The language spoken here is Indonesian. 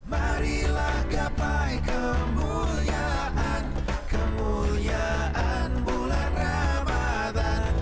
marilah gapai kemuliaan kemuliaan bulan ramadhan